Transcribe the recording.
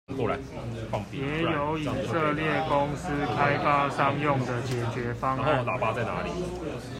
也有以色列公司開發商用的解決方案